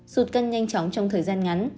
sụt cân nhanh chóng trong thời gian ngắn